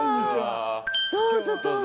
どうぞどうぞ。